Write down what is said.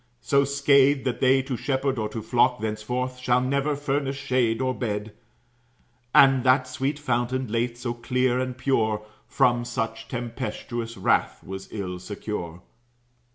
So scathed, that they to shepherd or to flock Thenceforth shall never furnish shade or bed. And that sweet fountain, late so clear and pure, From such tempestous wrath was ill secure.